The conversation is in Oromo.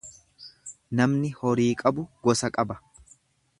Namni horii qabu gosa qaba.